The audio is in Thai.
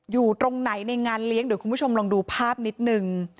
อยู่ตรงไหนในงานเลี้ยงเดี๋ยวคุณผู้ชมลองดูภาพนิดนึง